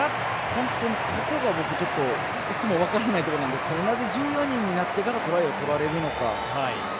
本当に、ここが僕いつも分からないところでなぜ１４人になってからトライを取られるのか。